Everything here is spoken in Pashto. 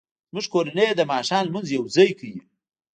زموږ کورنۍ د ماښام لمونځ یوځای کوي